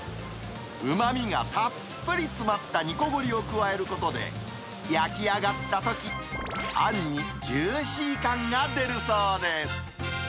うまみがたっぷり詰まった煮凝りを加えることで、焼き上がったとき、あんにジューシー感が出るそうです。